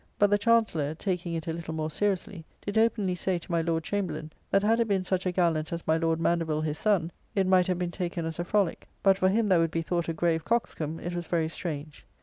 But the Chancellor (taking it a little more seriously) did openly say to my Lord Chamberlain, that had it been such a gallant as my Lord Mandeville his son, it might have; been taken as a frolique; but for him that would be thought a grave coxcomb, it was very strange.